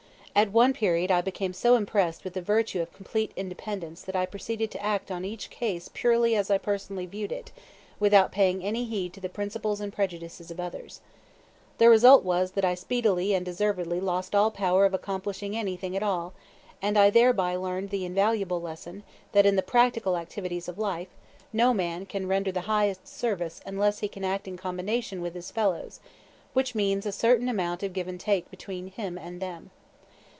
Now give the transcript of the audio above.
At one period I became so impressed with the virtue of complete independence that I proceeded to act on each case purely as I personally viewed it, without paying any heed to the principles and prejudices of others. The result was that I speedily and deservedly lost all power of accomplishing anything at all; and I thereby learned the invaluable lesson that in the practical activities of life no man can render the highest service unless he can act in combination with his fellows, which means a certain amount of give and take between him and them.